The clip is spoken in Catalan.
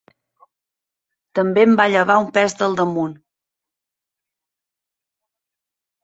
També em va llevar un pes del damunt.